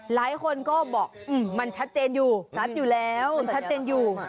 หลายคนก็บอกมันชัดเจนอยู่ชัดอยู่แล้วมันชัดเจนอยู่